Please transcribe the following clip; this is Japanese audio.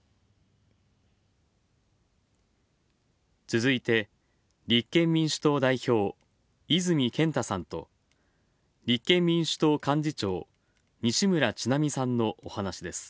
続いて、立憲民主党代表泉健太さんと立憲民主党幹事長西村智奈美さんのお話です。